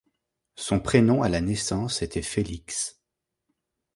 Son prénom à la naissance était Félix.